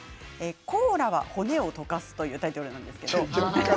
コーラは骨を溶かすというタイトルです。